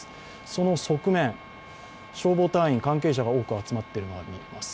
その側面、消防隊員関係者が多く集まっているのが見えます。